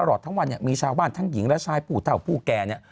ตลอดทั้งวันเนี่ยมีชาวบ้านทั้งหญิงและชายผู้เท่าผู้แก่เนี่ย